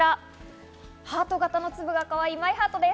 ハート型の粒がかわいいマイハートです。